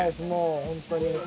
もう本当に。